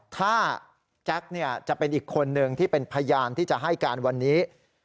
ถ้าแจ็คจะเป็นอีกคนนึงที่เป็นพยานที่จะให้การวันนี้